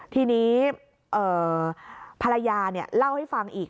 ทีนี้ภรรยาเล่าให้ฟังอีก